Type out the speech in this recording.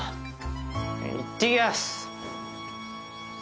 いってきやす！